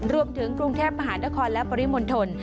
รวมถึงกรุงเทพมหานครและปริมณฑล